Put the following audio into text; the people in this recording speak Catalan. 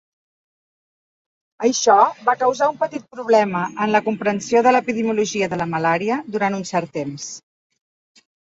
Això va causar un petit problema en la comprensió de l'epidemiologia de la malària durant un cert temps.